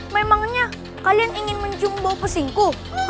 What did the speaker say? memangnya kalian ingin menjemput pesiku